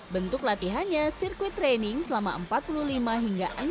bentuk latihannya sirkuit training selama empat puluh lima hingga enam puluh